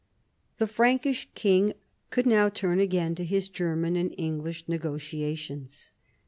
The Frankish king could now turn again to his German and English negotiations.